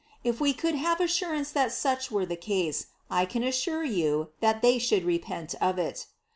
If we could have atturance that such were the ca^e, I can •mrc you tliat they should repent of it.